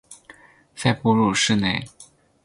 在哺乳室内